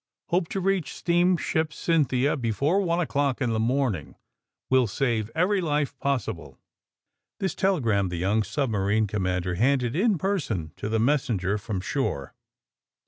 Hope to reach steamship * Cynthia' he fore one o'clock in the morning. Will save every life possible." This telegram the young submarine com mander handed in person to the messenger from shore.